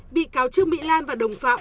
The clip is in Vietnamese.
bị cáo chức mỹ lan và đồng phạm